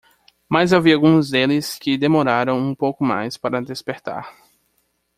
Mas havia alguns deles que demoraram um pouco mais para despertar.